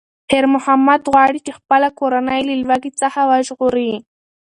خیر محمد غواړي چې خپله کورنۍ له لوږې څخه وژغوري.